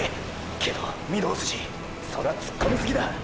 けど御堂筋そら突っ込みすぎだ！！